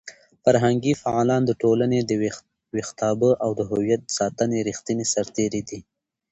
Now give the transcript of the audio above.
فرهنګي فعالان د ټولنې د ویښتابه او د هویت د ساتنې ریښتیني سرتېري دي.